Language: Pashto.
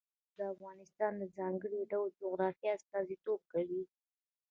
رسوب د افغانستان د ځانګړي ډول جغرافیه استازیتوب کوي.